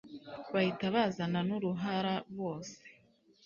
bahita bazana n'uruhara bose